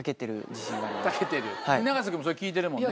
永瀬君もそれ聞いてるもんね。